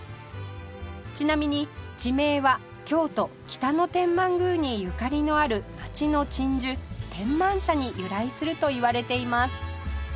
ちなみに地名は京都北野天満宮にゆかりのある街の鎮守天満社に由来するといわれています